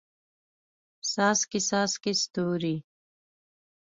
څاڅکي، څاڅکي ستوري